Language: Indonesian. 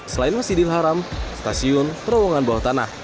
selain masjidil haram stasiun terowongan bawah tanah